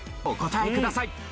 お答えください。